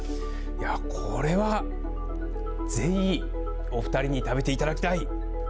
これは、ぜひお二人に食べていただきたい。